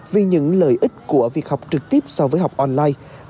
vì những lợi ích của việc học trực tiếp so với học online